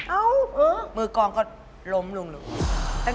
เอ้าเออมือกองเขาล้มลง